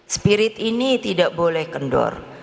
spirit ini tidak boleh kendor